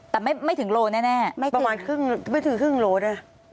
แต่ไม่ถึงโลแน่ไม่ถึงโลเนี่ย